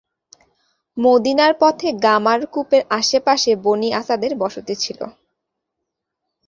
মদীনার পথে ‘গামার’ কূপের আশে পাশে বনী আসাদের বসতি ছিলো।